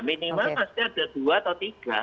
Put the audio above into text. minimal pasti ada dua atau tiga